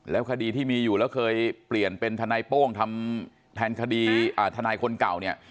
คดีที่มีอยู่แล้วเคยเปลี่ยนเป็นทนายโป้งทำแทนคดีทนายคนเก่าเนี่ย